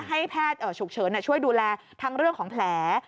ให้แพทย์ฉุกเฉินช่วยดูแลทั้งเรื่องของแผล